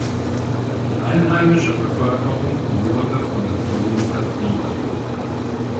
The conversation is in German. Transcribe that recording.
Die einheimische Bevölkerung wurde von den Polen vertrieben.